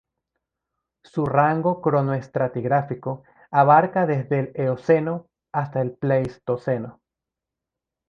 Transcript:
Su rango cronoestratigráfico abarca desde el Eoceno hasta el Pleistoceno.